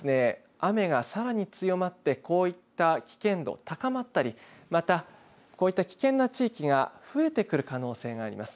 雨が、さらに強まってこういった危険度、高まったりまた、こういった危険な地域が増えてくる可能性があります。